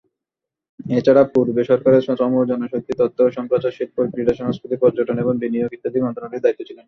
এছাড়া পূর্বে সরকারের শ্রম ও জনশক্তি, তথ্য ও সম্প্রচার, শিল্প, ক্রীড়া, সংস্কৃতি, পর্যটন এবং বিনিয়োগ ইত্যাদি মন্ত্রনালয়ের দায়িত্বে ছিলেন।